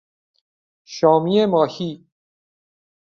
شامی ماهی